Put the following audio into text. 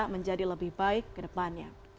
menjadi lebih baik kedepannya